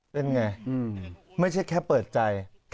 เป็นไงไม่ใช่แค่เปิดใจ